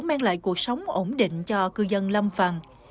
mang lại cuộc sống ổn định cho cư dân lâm phần